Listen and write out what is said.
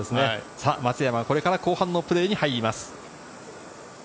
松山、これから後半のプレーに入ります。